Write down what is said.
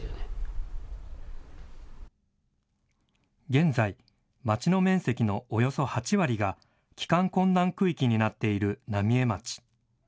現在、町の面積のおよそ８割が、帰還困難区域になっている浪江町。